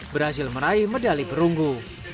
berhasil meraih medali perunggu